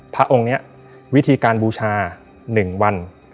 พระองค์นี้วิธีการบูชา๑วัน